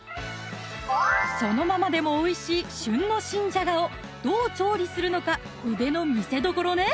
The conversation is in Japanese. そのままでもおいしい旬の新じゃがをどう調理するのか腕の見せ所ね‼